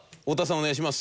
お願いします。